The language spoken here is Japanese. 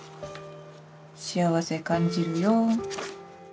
「幸せ感じるよ」。